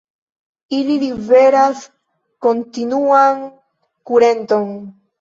Ili liveras kontinuan kurenton.